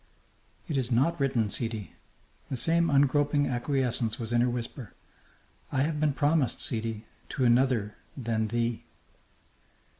"It is not written, sidi." The same ungroping acquiescence was in her whisper. "I have been promised, sidi, to another than thee."